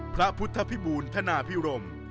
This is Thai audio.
พระพุทธพิบูรณธนาพิรม